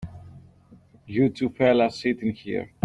You two fellas sit in here.